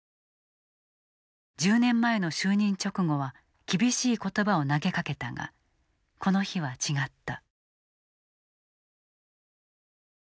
１０年前の就任直後は厳しい言葉を投げかけたがこの日は違った。